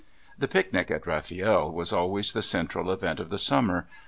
The picnic at Rafield was always the central event of the summer.